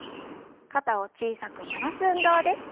肩を小さく回す運動です。